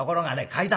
階段